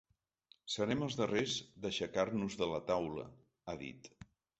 Serem els darrers d’aixecar-nos de la taula, ha dit.